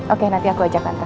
oke nanti aku ajak tante